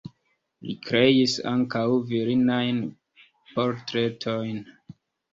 Li kreis ankaŭ virinajn portretojn.